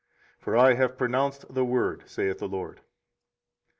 for I have pronounced the word, saith the LORD.